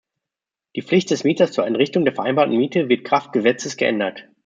Die Pflicht des Mieters zur Entrichtung der vereinbarten Miete wird kraft Gesetzes geändert.